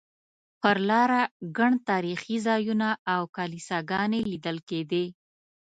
پر لاره ګڼ تاریخي ځایونه او کلیساګانې لیدل کېدې.